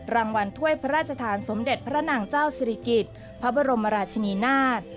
รางวัลถ้วยพระราชทานสมเด็จพระนางเจ้าศิริกิจพระบรมราชนีนาฏ